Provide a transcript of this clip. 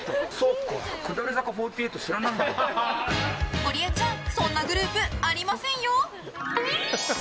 ゴリエちゃん、そんなグループありませんよ！